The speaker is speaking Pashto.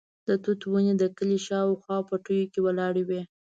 د توت ونې د کلي شاوخوا پټیو کې ولاړې وې.